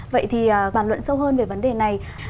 vậy thì bàn luận sâu hơn về vấn đề này